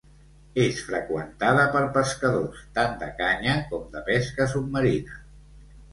És freqüentada per pescadors, tant de canya com de pesca submarina.